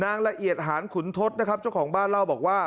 รายละเอียดหานขุนทศนะครับเจ้าของบ้านเล่าบอกว่า